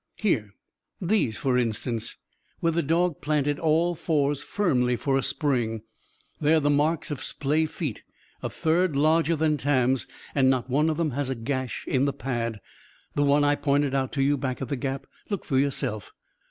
Here, these, for instance; where the dog planted all fours firmly for a spring. They're the marks of splay feet, a third larger than Tam's; and not one of them has that gash in the pad; the one I pointed out to you, back at the gap. Look for yourself."